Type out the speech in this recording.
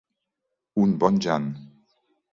Un bon jan!